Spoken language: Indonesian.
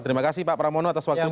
terima kasih pak pramono atas waktunya